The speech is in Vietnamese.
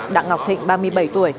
đặng ngọc thịnh ba mươi bảy tuổi